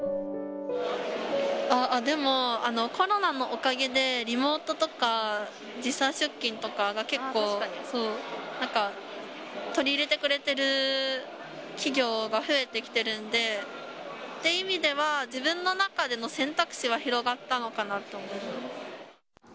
でも、コロナのおかげで、リモートとか、時差出勤とかが結構、取り入れてくれてる企業が増えてきてるんで、って意味では、自分の中での選択肢は広がったのかなと思います。